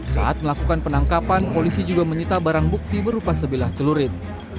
saat melakukan penangkapan polisi juga menyita barang bukti berupa sebilah celurit